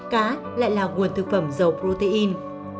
cá lại là nguồn thực phẩm dầu protein